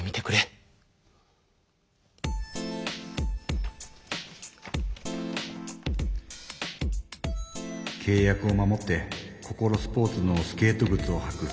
心の声けい約を守ってココロスポーツのスケートぐつをはく。